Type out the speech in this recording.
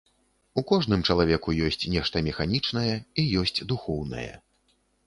У кожным чалавеку ёсць нешта механічнае і ёсць духоўнае.